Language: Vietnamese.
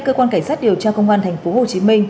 cơ quan cảnh sát điều tra công an tp hcm